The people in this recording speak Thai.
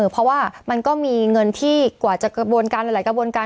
เพราะว่ามันก็มีเงินที่กว่าจะกระบวนการหลายกระบวนการ